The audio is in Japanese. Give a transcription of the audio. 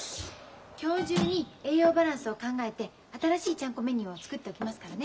今日中に栄養バランスを考えて新しいちゃんこメニューを作っておきますからね。